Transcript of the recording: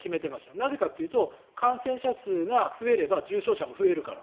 なぜかというと感染者数が増えれば重症者も増えるから。